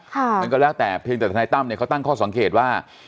มันก็แล้วแต่เพียงธนาญิตามนี้เขาตั้งข้อสังเกตว่า